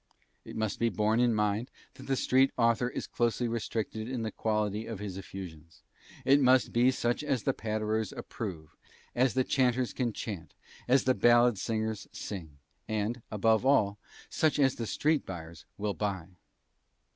"It must be borne in mind that the street author is closely restricted in the quality of his effusions. It must be such as the patterers approve, as the chanters can chant, the ballad singers sing, and above all, such as the street buyers will buy."